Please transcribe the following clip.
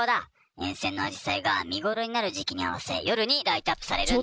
沿線のあじさいが見頃になる時期に合わせ夜にライトアップされるんだ。